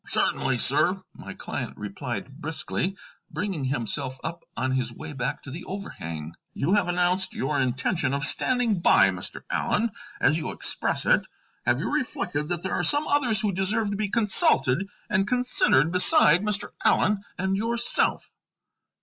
"Certainly, sir," my client replied briskly, bringing himself up on his way back to the overhang. "You have announced your intention of 'standing by' Mr. Allen, as you express it. Have you reflected that there are some others who deserve to be consulted and considered beside Mr. Allen and yourself?"